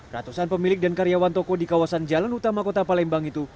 ratusan pemilik dan karyawan toko di kawasan jalan utama kota palembang itu